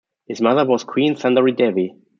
His mother was queen Sundari-Devi.